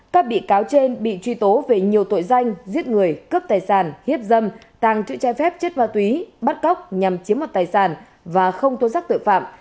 các bị cáo trên bị truy tố về nhiều tội danh giết người cướp tài sản hiếp dâm tàng trữ trai phép chết vào túy bắt cóc nhằm chiếm một tài sản và không thuốc sắc tội phạm